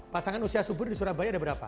pasangan usia subur di surabaya ada berapa